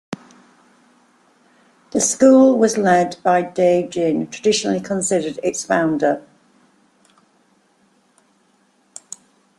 The school was led by Dai Jin, traditionally considered its founder.